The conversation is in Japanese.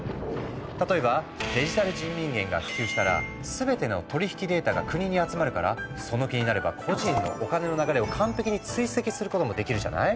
例えばデジタル人民元が普及したら全ての取り引きデータが国に集まるからその気になれば個人のお金の流れを完璧に追跡することもできるじゃない？